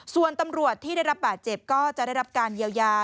ส่วนตำรวจที่ได้รับบาดเจ็บก็จะได้รับการเยียวยา